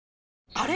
あれ？